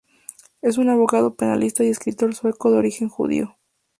Es un abogado penalista y escritor sueco de origen judío.